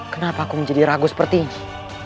kenapa aku menjadi ragu seperti ini